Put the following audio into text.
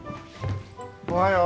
おはよう。